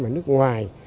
ở nước ngoài